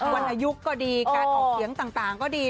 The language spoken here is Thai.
วันอายุก็ดีการออกเสียงต่างก็ดี